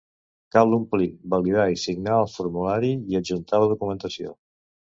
Cal omplir, validar i signar el formulari i adjuntar la documentació.